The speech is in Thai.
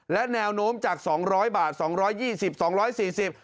และแนวโน้มจากสองร้อยบาทสองร้อยยี่สิบสองร้อยสี่สิบ